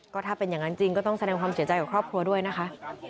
ก็ถ้าเป็นอย่างนั้นจริงก็ต้องแสดงความเสียใจกับครอบครัวด้วยนะคะ